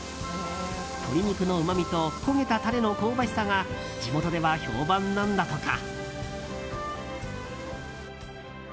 鶏肉のうまみと焦げたタレの香ばしさが地元では評判なんだとか。